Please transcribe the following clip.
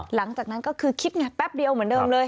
หลังจากนั้นก็คือคิดไงแป๊บเดียวเหมือนเดิมเลย